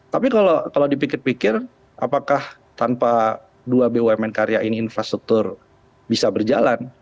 tapi kalau dipikir pikir apakah tanpa dua bumn karya ini infrastruktur bisa berjalan